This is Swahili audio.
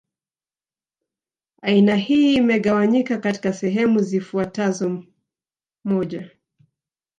Aina hii imegawanyika katika sehemu zifuatazoMoja